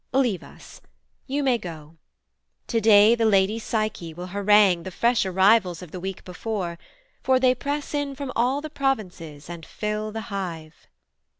Leave us: you may go: Today the Lady Psyche will harangue The fresh arrivals of the week before; For they press in from all the provinces, And fill the hive.'